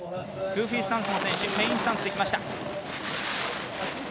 グーフィースタンスの選手メインスタンスできました。